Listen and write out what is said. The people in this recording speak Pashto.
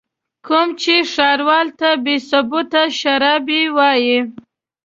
کوم چې ښاروال ته بې ثبوته شرابي وايي.